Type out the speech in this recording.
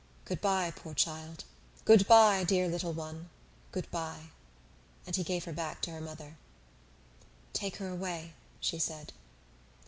"Good bye, poor child! good bye, dear little one! good bye!" And he gave her back to her mother. "Take her away," she said.